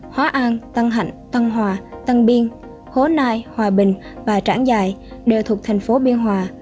hóa an tân hạnh tân hòa tân biên hố nai hòa bình và trảng dài đều thuộc thành phố biên hòa